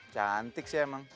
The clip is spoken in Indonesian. cantik sih emang